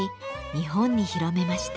日本に広めました。